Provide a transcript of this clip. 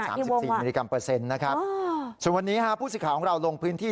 ใช่นะที่วงว่าส่วนวันนี้ผู้สิทธิ์ของเราลงพื้นที่